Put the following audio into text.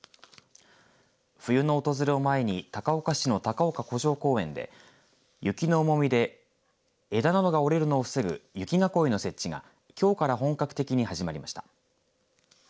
冬の訪れを前に高岡市の高岡古城公園で雪の重みで枝などが折れるのを防ぐ雪囲いの設置が、きょうから本格的に始まりました。